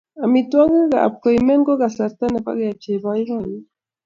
Amitwogikap koimen ko kasarta nebo kepchei boiboiyet